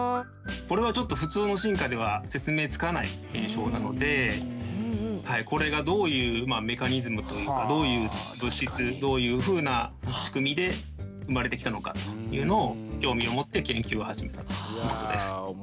これは普通の進化では説明つかない現象なのでこれがどういうメカニズムというかどういう物質どういうふうな仕組みで生まれてきたのかというのを興味を持って研究を始めたということです。